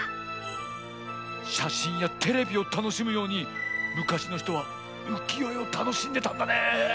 しゃしんやテレビをたのしむようにむかしのひとはうきよえをたのしんでたんだね。